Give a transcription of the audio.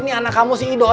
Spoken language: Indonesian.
nih anak kamu si ido